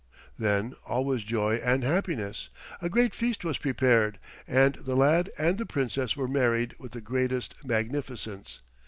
Then all was joy and happiness. A great feast was prepared, and the lad and the Princess were married with the greatest magnificence.